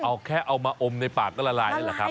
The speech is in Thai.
เอาแค่เอามาอมในปากก็ละลายนั่นแหละครับ